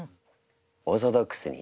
オーソドックスに。